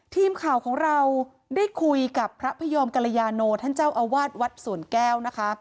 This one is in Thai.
ทีมข่าวของเราได้คุยกับพระพยอมกรยาโนท่านเจ้าอาวาสวัดสวนแก้วนะคะ